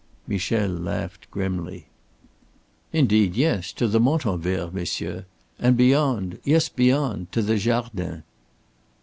Michel laughed grimly. "Indeed, yes, to the Montanvert, monsieur. And beyond yes, beyond, to the Jardin."